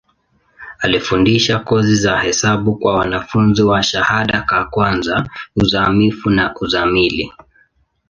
Alifundisha kozi za hesabu kwa wanafunzi wa shahada ka kwanza, uzamivu na uzamili.